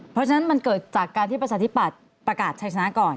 เพราะฉะนั้นมันเกิดจากการที่ประชาธิปัตย์ประกาศใช้ชนะก่อน